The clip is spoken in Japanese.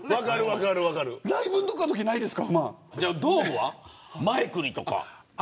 ライブのときとかないですか。